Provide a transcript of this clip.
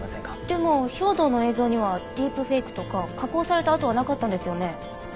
でも兵働の映像にはディープフェイクとか加工された跡はなかったんですよね？